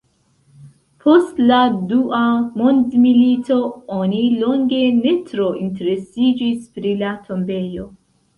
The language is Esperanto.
Post la Dua mondmilito oni longe ne tro interesiĝis pri la tombejo.